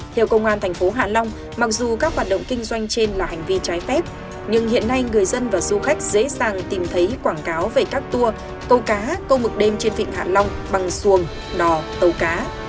theo công an thành phố hạ long mặc dù các hoạt động kinh doanh trên là hành vi trái phép nhưng hiện nay người dân và du khách dễ dàng tìm thấy quảng cáo về các tour câu cá câu mực đêm trên vịnh hạ long bằng xuồng lò tàu cá